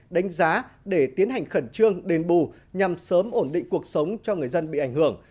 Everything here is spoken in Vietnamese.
đánh giá để tiến hành khẩn trương đền bù nhằm sớm ổn định cuộc sống cho người dân bị ảnh hưởng